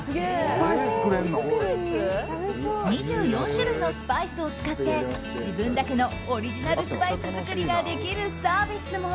２４種類のスパイスを使って自分だけのオリジナルスパイス作りができるサービスも。